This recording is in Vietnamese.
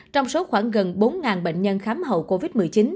trong số khoảng gần bốn bệnh nhân khám hậu covid một mươi chín